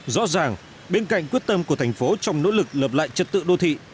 rõ ràng bên cạnh quyết tâm của thành phố trong nỗ lực lập lại trật tự đô thị